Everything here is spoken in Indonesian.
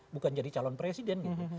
bukan jadi calon presiden gitu